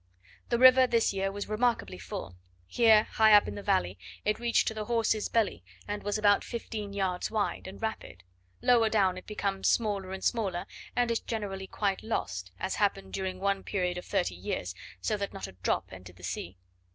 The river this year was remarkably full: here, high up the valley, it reached to the horse's belly, and was about fifteen yards wide, and rapid; lower down it becomes smaller and smaller, and is generally quite lost, as happened during one period of thirty years, so that not a drop entered the sea.